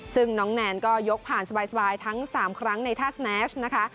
ซึ่งน้องแนนก็ยกผ่านสบายทั้ง๓ครั้งในท่าสแนชนะคะ